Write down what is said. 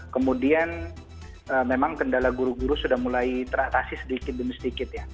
kemudian memang kendala guru guru sudah mulai teratasi sedikit demi sedikit ya